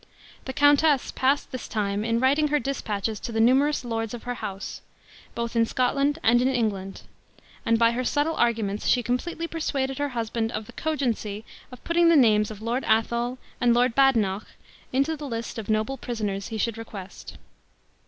The countess passed this time in writing her dispatches to the numerous lords of her house, both in Scotland and in England; and by her subtle arguments she completely persuaded her husband of the cogency of putting the names of Lord Athol and Lord Badenoch into the list of noble prisoners he should request.